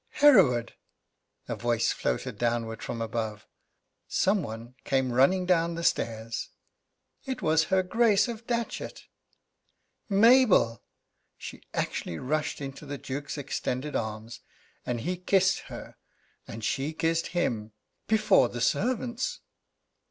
"Hereward!" A voice floated downwards from above. Some one came running down the stairs. It was her Grace of Datchet. "Mabel!" She actually rushed into the Duke's extended arms. And he kissed her, and she kissed him before the servants.